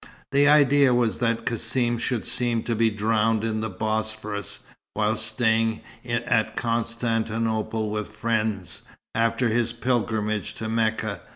The idea was that Cassim should seem to be drowned in the Bosphorus, while staying at Constantinople with friends, after his pilgrimage to Mecca.